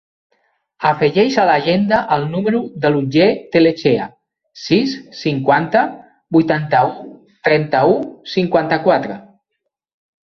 Afegeix a l'agenda el número de l'Otger Tellechea: sis, cinquanta, vuitanta-u, trenta-u, cinquanta-quatre.